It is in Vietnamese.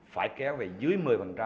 phải kéo về dưới một mươi